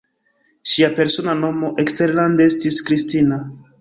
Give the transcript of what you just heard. Ŝia persona nomo eksterlande estis Kristina.